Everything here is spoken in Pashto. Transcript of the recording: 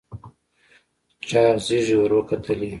چاغ زيږې ور وکتلې.